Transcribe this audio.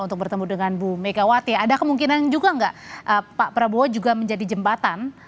untuk bertemu dengan bu megawati ada kemungkinan juga nggak pak prabowo juga menjadi jembatan